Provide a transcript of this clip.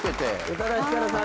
宇多田ヒカルさんです。